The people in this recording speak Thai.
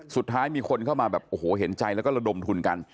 สุดท้ายมีคนเข้ามาแบบโอ้โหเห็นใจแล้วก็ระดมทุนกัน